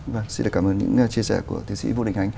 vâng xin cảm ơn những chia sẻ của thế sĩ vũ đình ánh